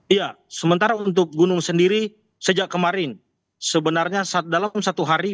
iya sementara untuk gunung sendiri sejak kemarin sebenarnya dalam satu hari